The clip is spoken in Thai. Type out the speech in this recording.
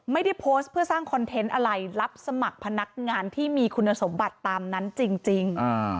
ไม่ได้โพสต์เพื่อสร้างคอนเทนต์อะไรรับสมัครพนักงานที่มีคุณสมบัติตามนั้นจริง